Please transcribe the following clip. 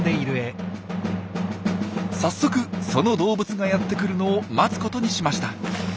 早速その動物がやって来るのを待つことにしました。